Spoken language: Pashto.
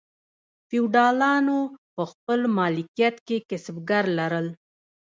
فیوډالانو په خپل مالکیت کې کسبګر لرل.